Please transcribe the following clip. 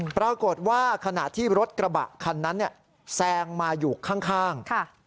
ปรากฏว่าขณะที่รถกระบะคันนั้นแซงมาอยู่ข้าง